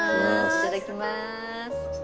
いただきます！